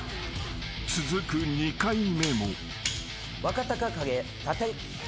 ［続く２回目も］